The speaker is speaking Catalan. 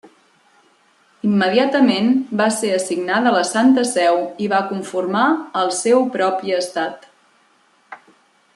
Immediatament va ser assignada a la Santa Seu i va conformar el seu propi estat.